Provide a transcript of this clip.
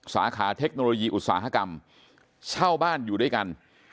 สาขาเทคโนโลยีอุตสาหกรรมเช่าบ้านอยู่ด้วยกัน